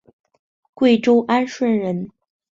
贵州安顺人。